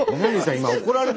今。